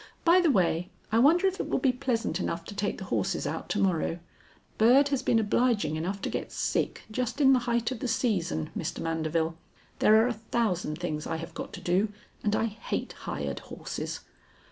By the way, I wonder if it will be pleasant enough to take the horses out to morrow? Bird has been obliging enough to get sick just in the height of the season, Mr. Mandeville. There are a thousand things I have got to do and I hate hired horses."